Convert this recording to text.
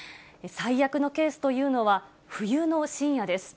最悪のケースというのは、冬の深夜です。